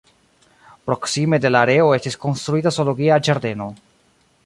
Proksime de la areo estis konstruita zoologia ĝardeno.